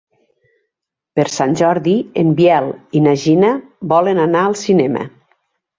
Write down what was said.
Per Sant Jordi en Biel i na Gina volen anar al cinema.